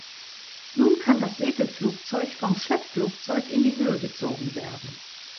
Nun kann das Segelflugzeug vom Schleppflugzeug in die Höhe gezogen werden.